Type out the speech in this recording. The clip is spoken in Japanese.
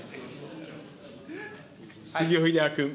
杉尾秀哉君。